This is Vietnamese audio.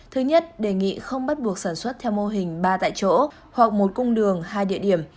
thứ nhất đề nghị không bắt buộc sản xuất theo mô hình ba tại chỗ hoặc một cung đường hai địa điểm